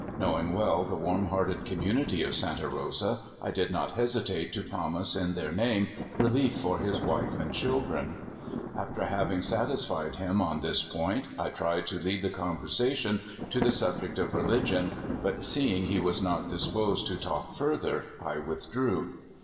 Knowing well the warm hearted communit}^ of Santa Rosa, I did not hesi tate to promise in their name relief for his wife and children. After having satisfied him on this point, I tried to lead the conversation to the sub ject of religion; but seeing he was not disposed to talk further, I withdrew.